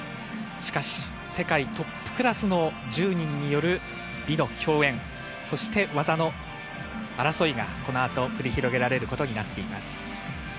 しかし世界トップクラスの１０人による美の競演、そして技の争いがこの後繰り広げられることになっています。